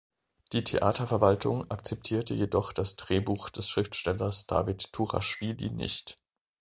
Die Theaterverwaltung akzeptierte jedoch das Drehbuch des Schriftstellers David Turaschwili nicht.